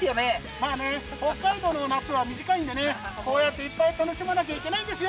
まあね、北海道の夏は短いでしょうね、こうやっていっぱい楽しまなきゃいけないんですよ！